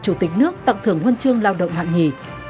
chủ tịch nước tặng thưởng huân chương lao động hạng nhì